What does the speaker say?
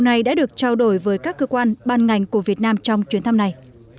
này đã được trao đổi với các cơ quan ban ngành của việt nam trong chuyến thăm này